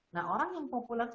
nah orang yang populer